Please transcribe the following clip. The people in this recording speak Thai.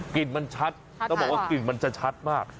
กลิ่นมันชัดต้องบอกว่ากลิ่นมันจะชัดมาก